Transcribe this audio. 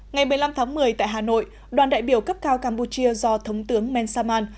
ngày một mươi năm tháng một mươi tại hà nội đoàn đại biểu cấp cao campuchia do thống tướng mensaman